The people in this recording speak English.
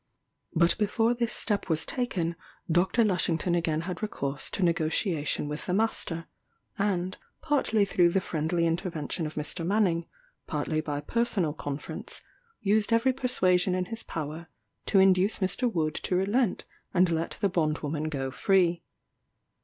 But before this step was taken, Dr. Lushington again had recourse to negotiation with the master; and, partly through the friendly intervention of Mr. Manning, partly by personal conference, used every persuasion in his power to induce Mr. Wood to relent and let the bondwoman go free.